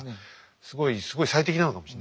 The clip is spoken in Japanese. すごいすごい最適なのかもしれないね